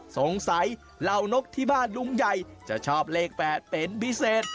เหล่านกที่บ้านลุงใหญ่จะชอบเลข๘เป็นพิเศษ